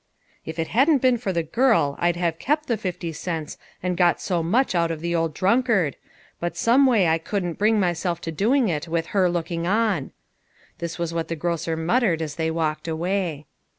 " If it hadn't been for the girl I'd have kept the fifty cents and got so much out of the old drunkard ; but someway I couldn't bring myself to doing it with her looking on." This was what the grocer muttered as they walked away.